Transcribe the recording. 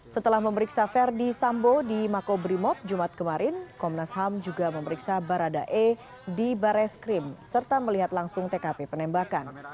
setelah memeriksa verdi sambo di makobrimob jumat kemarin komnas ham juga memeriksa baradae di bares krim serta melihat langsung tkp penembakan